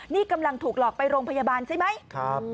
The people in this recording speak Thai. นี่กำลังถูกหลอกไปโรงพยาบาลใช่ไหม